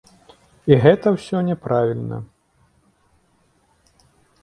І гэта ўсё няправільна.